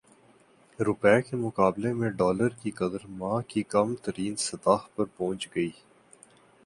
روپے کے مقابلے میں ڈالر کی قدر ماہ کی کم ترین سطح پر پہنچ گئی